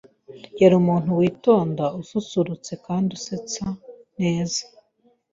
Yari umuntu witonda ususurutse kandi usetsa neza.